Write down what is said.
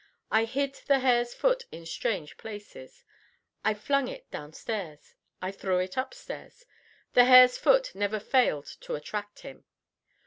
I hid the hare's foot in strange places. I flung it downstairs. I threw it upstairs. The hare's foot never failed to attract him.